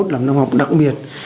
là một năm học đặc biệt